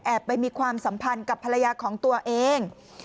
ไปมีความสัมพันธ์กับภรรยาของตัวเอง